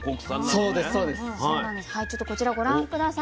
ちょっとこちらご覧下さい。